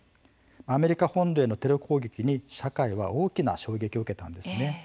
アメリカ本土へのテロ攻撃に社会は大きな衝撃を受けたんですね。